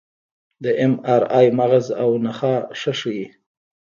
د اېم ار آی مغز او نخاع ښه ښيي.